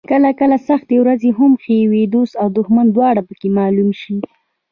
کله کله سختې ورځې هم ښې وي، دوست او دښمن دواړه پکې معلوم شي.